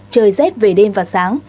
trời rét về đêm và sáng